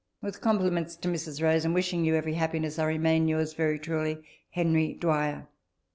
With compliments to Mrs. Rose, and wishing you every happiness, I remain, yours very truly, HENRY DWYER.